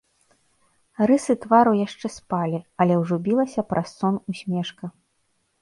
Рысы твару яшчэ спалі, але ўжо білася праз сон усмешка.